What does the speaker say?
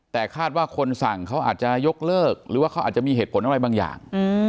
แต่คาดว่าคนสั่งเขาอาจจะยกเลิกหรือว่าเขาอาจจะมีเหตุผลอะไรบางอย่าง